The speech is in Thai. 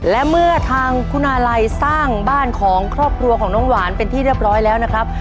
และเมื่อทางคุณอาลัยสร้างบ้านของครอบครัวของน้องหวานเป็นที่เรียบร้อยแล้วนะครับ